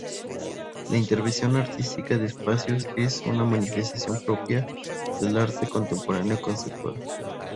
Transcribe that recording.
La intervención artística de espacios es una manifestación propia del arte contemporáneo conceptual.